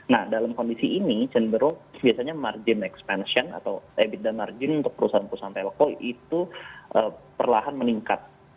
nah dalam kondisi ini cenderung biasanya margin expansion atau ebit dan margin untuk perusahaan perusahaan telko itu perlahan meningkat